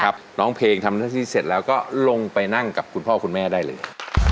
พอพ่อคุณแม่ได้เลย